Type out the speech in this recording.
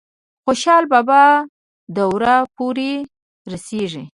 خوشحال بابا دور پورې رسي ۔